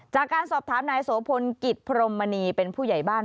จากการสอบถามนายโสพลกิจพรมมณีเป็นผู้ใหญ่บ้าน